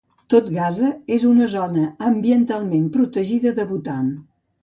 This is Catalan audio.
Tot Gasa és una zona ambientalment protegida de Bhutan.